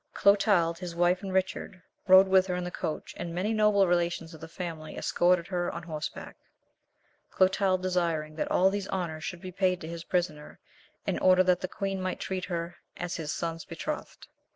Clotald, his wife, and Richard rode with her in the coach, and many noble relations of the family escorted her on horseback, Clotald desiring that all these honours should be paid to his prisoner, in order that the queen might treat her as his son's betrothed.